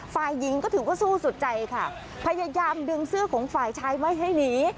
ฝ่ายหญิงก็ถือว่าสู้สุดใจค่ะพยายามดึงเสื้อของฝ่ายชายไม่ให้หนี